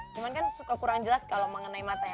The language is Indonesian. cuman kan suka kurang jelas kalau mengenai mata ya